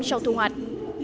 sau thu hoạch